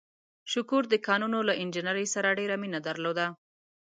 شکور د کانونو له انجنیرۍ سره ډېره مینه درلوده.